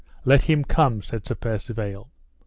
Let him come, said Sir Percivale.